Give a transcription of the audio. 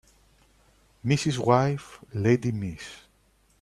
Mrs. wife lady Miss